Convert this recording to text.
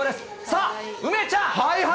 さあ、梅ちゃん。